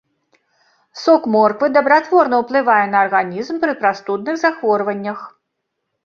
Сок морквы дабратворна ўплывае на арганізм пры прастудных захворваннях.